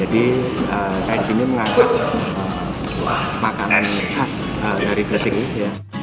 tapi makanan khas dari gresik ini